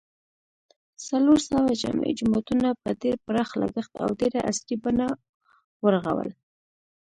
څلورسوه جامع جوماتونه په ډېر پراخ لګښت او ډېره عصري بڼه و رغول